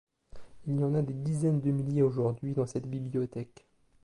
Il y en a des dizaines de milliers aujourd'hui dans cette bibliothèque.